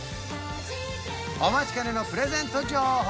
お待ちかねのプレゼント情報